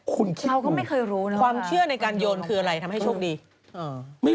คุณคิดมั้ย